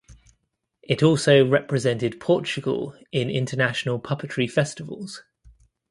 It also represented Portugal in international puppetry festivals.